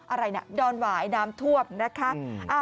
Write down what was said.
อะไรนะดอนหวายน้ำท่วมนะคะ